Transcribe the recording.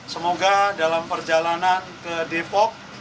semoga dalam perjalanan ke depok